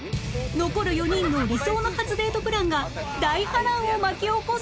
残る４人の理想の初デートプランが大波乱を巻き起こす！